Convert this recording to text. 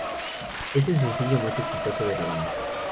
Es el sencillo más exitoso de la banda.